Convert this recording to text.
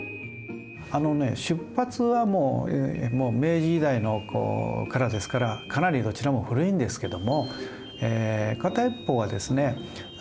あのね出発はもう明治時代からですからかなりどちらも古いんですけども片一方はですね